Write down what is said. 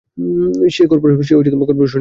সে কর্পোরেশনের ড্রাইভার।